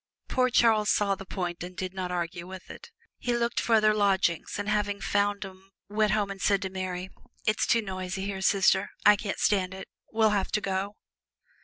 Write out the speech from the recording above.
Poor Charles saw the point and did not argue it. He looked for other lodgings and having found 'em went home and said to Mary, "It's too noisy here. Sister I can't stand it we'll have to go!"